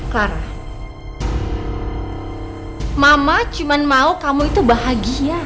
clara mama cuma mau kamu bahagia